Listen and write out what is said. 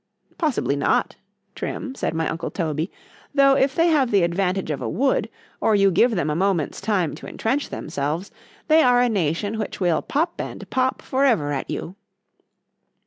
_——Possibly not,——Trim, said my uncle Toby;——though if they have the advantage of a wood, or you give them a moment's time to intrench themselves, they are a nation which will pop and pop for ever at you.